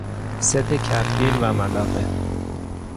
ست کفگیر و ملاقه